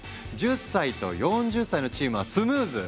１０歳と４０歳のチームはスムーズ！